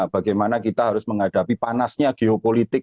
bagaimana kita harus menghadapi panasnya geopolitik